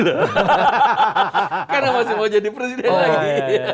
karena masih mau jadi presiden lagi